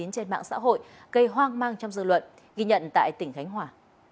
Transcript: trên mạng xã hội cây hoang mang trong dự luận ghi nhận tại tỉnh khánh hòa